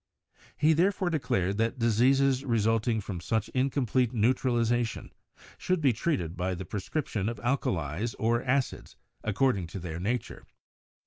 He therefore declared that diseases resulting from such incomplete neutralization should be treated by the prescription of alkalis or acids according to their na ture.